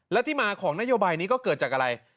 และที่มาของนโยบายนี้ก็เกิดจากอะไร